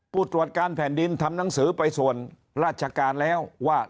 ผู้ตรวจการแผ่นดินทำหนังสือไปส่วนราชการแล้วว่า